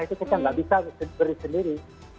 itu kita nggak bisa beri sendiri